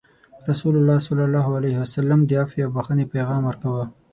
رسول الله صلى الله عليه وسلم د عفوې او بخښنې پیغام ورکوه.